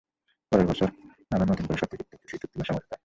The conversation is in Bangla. পরের বছর আবার নতুন করে শর্ত যুক্ত হচ্ছে সেই চুক্তি বা সমঝোতায়।